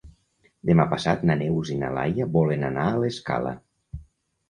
Demà passat na Neus i na Laia volen anar a l'Escala.